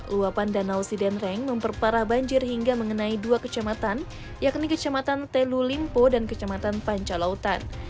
luapan danau sidenreng memperparah banjir hingga mengenai dua kecamatan yakni kecamatan telu limpo dan kecamatan pancalautan